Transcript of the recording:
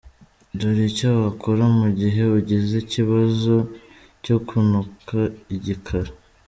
Dore icyo wakora mu gihe ugize ikibazo cyo kunuka igikara:.